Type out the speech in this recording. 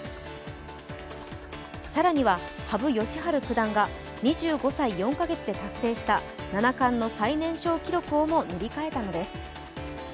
更には、羽生善治九段が２５歳４か月で達成した七冠の最年少記録をも塗り替えたのです。